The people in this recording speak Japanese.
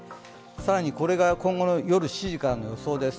更に今後、夜７時からの予想です。